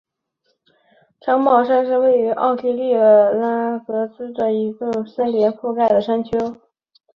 城堡山是位于奥地利格拉兹的一处被森林覆盖的山丘。